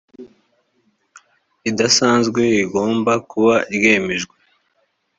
idasanzwe rigomba kuba ryemejwe